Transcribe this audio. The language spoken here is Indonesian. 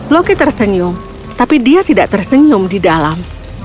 loki tersenyum tapi dia tidak tersenyum di dalam